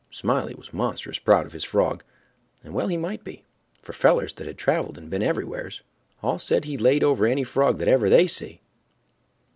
Smiley was monstrous proud of his frog, and well he might be, for fellers that had traveled and been everywheres, all said he laid over any frog that ever they see.